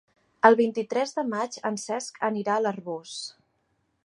El vint-i-tres de maig en Cesc anirà a l'Arboç.